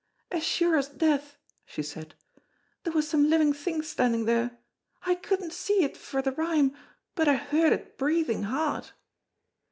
"As sure as death," she said, "there was some living thing standing there; I couldna see it for the rime, but I heard it breathing hard."